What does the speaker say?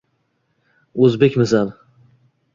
«O‘zbekmisan?!»